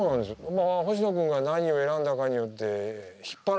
まあ星野君が何を選んだかによって引っ張られるわけよ。